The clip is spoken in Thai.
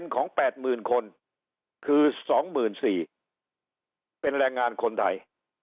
ของ๘๐๐๐คนคือ๒๔๐๐เป็นแรงงานคนไทย